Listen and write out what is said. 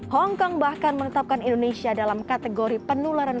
hongkong bahkan menetapkan indonesia dalam kategori penularan